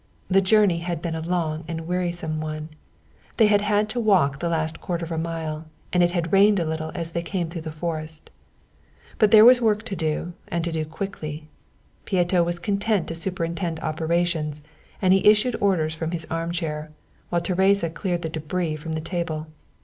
The journey had been a long and wearisome one, they had had to walk the last quarter of a mile, and it had rained a little as they came through the forest. But there was work to do and to do quickly. Pieto was content to superintend operations, and he issued orders from his armchair, while Teresa cleared the débris from the table.